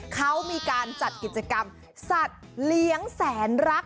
เขามีการจัดกิจกรรมสัตว์เลี้ยงแสนรัก